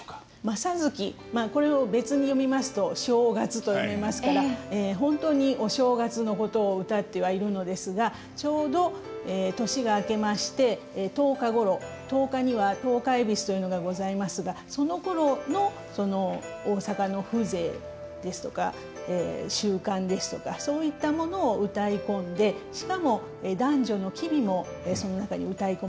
正月これを別に読みますと正月と読みますから本当にお正月のことを歌ってはいるのですがちょうど年が明けまして十日ごろ十日には十日戎というのがございますがそのころの大阪の風情ですとか習慣ですとかそういったものをうたい込んでしかも男女の機微もその中にうたい込まれているということです。